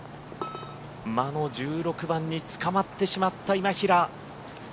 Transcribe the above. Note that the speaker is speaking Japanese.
魔の１６番につかまってしまった今平。